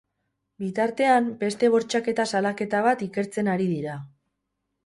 Bitartean, beste bortxaketa salaketa bat ikertzen ari dira.